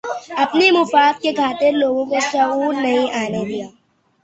اپنے مفاد کی خاطرلوگوں کو شعور نہیں آنے دیا